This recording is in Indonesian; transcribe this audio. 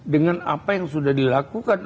dengan apa yang sudah dilakukan